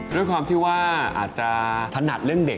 ด้วยความที่ว่าอาจจะถนัดเรื่องเด็ก